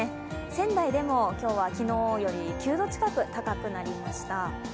仙台でも今日は昨日より９度近く高くなりました。